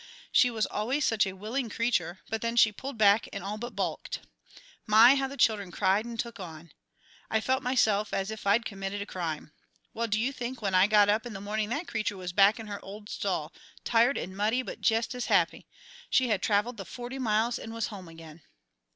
She was always such a willing creature, but then she pulled back and all but balked. My, how the children cried 'nd took on! I felt myself as if I'd committed a crime. Well, do you think when I got up in the morning that creature was back in her old stall, tired and muddy, but jest as happy! She had traveled the forty miles and was home again.